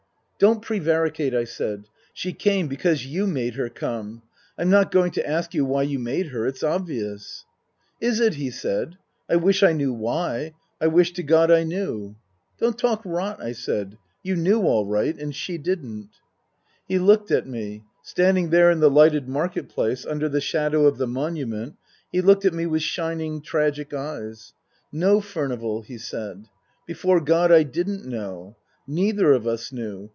" Don't prevaricate," I said. " She came because you made her come. I'm not going to ask you why you made her. It's obvious." " Is it ?" he said. " I wish I knew why. I wish to God I knew." " Don't talk rot," I said. " You knew all right. And she didn't." He looked at me. Standing there in the lighted Market place, under the shadow of the monument, he looked at me with shining, tragic eyes. " No, Furnival," he said. " Before God I didn't know. Neither of us knew.